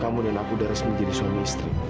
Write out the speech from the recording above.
kemudian aku udah resmi jadi suami istri